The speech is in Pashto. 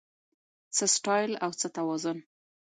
څه سټایل او څه توازن